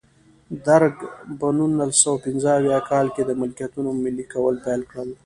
درګ په نولس سوه پنځه اویا کال کې د ملکیتونو ملي کول پیل کړل.